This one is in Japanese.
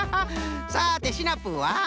さてシナプーは？